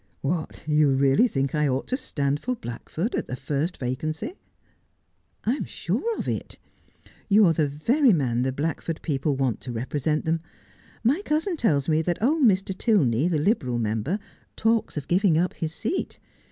' What, you really think I ought to stand for Blackford at the first vacancy'!' ' I am sure of it. You are the very man the Blackford people want to represent them. My cousin tells me that old Mr. Tilney, the Liberal member, talks of giving up his seat.